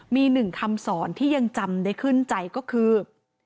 มีหนึ่งคำสอนที่ยังจำได้ขึ้นใจก็คือ